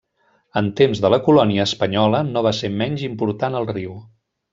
En temps de la Colònia espanyola no va ser menys important al riu.